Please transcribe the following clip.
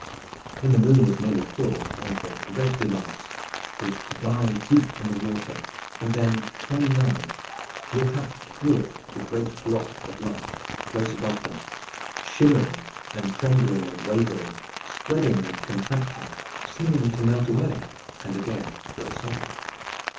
When the moon was nearly full, one of their great delights was, to dive deep in the water, and then, turning round, look up through it at the great blot of light close above them, shimmering and trembling and wavering, spreading and contracting, seeming to melt away, and again grow solid.